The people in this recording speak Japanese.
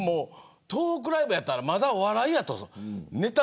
トークライブやったらまだ笑える。